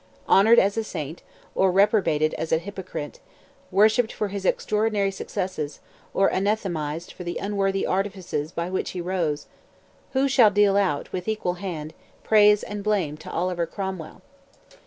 Honoured as a saint, or reprobated as a hypocrite, worshipped for his extraordinary successes, or anathematized for the unworthy artifices by which he rose—who shall deal out, with equal hand, praise and blame to Oliver Cromwell?